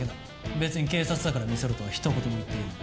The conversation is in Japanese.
別に「警察だから見せろ」とはひと言も言っていない。